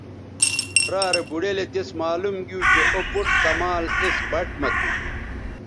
را رے بوڑیلے تس معلوم گیو چہء او بُٹ کمال اِس بَٹ مہ تھو